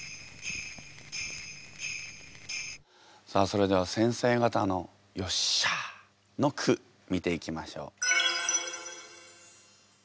さあそれでは先生方の「よっしゃあ」の句見ていきましょう。